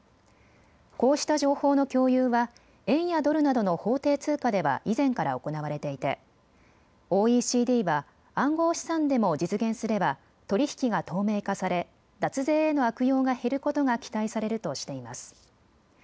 こうした情報の共有は円やドルなどの法定通貨では以前から行われていてＯＥＣＤは暗号資産でも実現すれば取り引きが透明化され脱税への悪用が減ることが期待されるとしています。